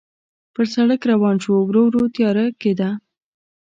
پر سړک روان شوو، ورو ورو تیاره کېده.